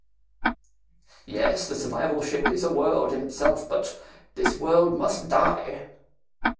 "Yes, the survival ship is a world in itself, but this world must die!"